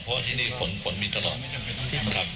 เพราะว่าที่นี่ฝนมิดตลอดครับ